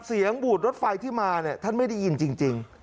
เสียงบูตรรถไฟที่มาท่านไม่ได้ยินจริง